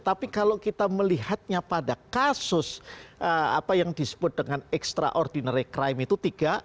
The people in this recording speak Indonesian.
tapi kalau kita melihatnya pada kasus apa yang disebut dengan extraordinary crime itu tiga